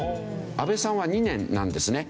安倍さんは２年なんですね。